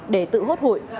để tự hốt hụi